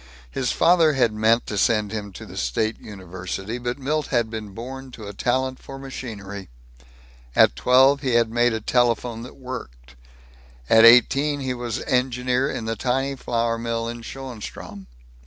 His father had meant to send him to the state university. But Milt had been born to a talent for machinery. At twelve he had made a telephone that worked. At eighteen he was engineer in the tiny flour mill in Schoenstrom.